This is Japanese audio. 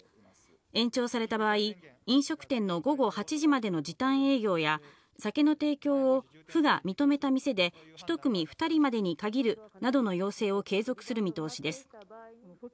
延長された場合、飲食店の午後８時までの時短営業や酒の提供を府が認めた店で１組２人までに限るなどの要請を継続する見通しです。